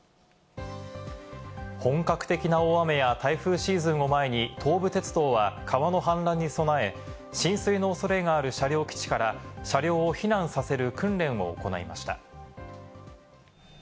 本格的な大雨や台風シーズンを前に、東武鉄道は川の氾濫に備え、浸水の恐れがある車両基地から車両を避難させる訓練を行いました。